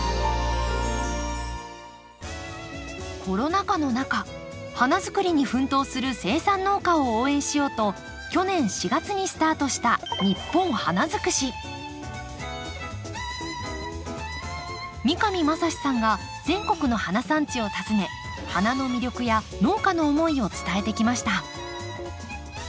コロナ禍の中花づくりに奮闘する生産農家を応援しようと去年４月にスタートした三上真史さんが全国の花産地を訪ね花の魅力や農家の思いを伝えてきました。